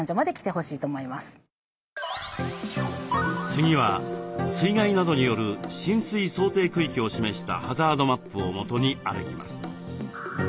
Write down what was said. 次は水害などによる浸水想定区域を示したハザードマップをもとに歩きます。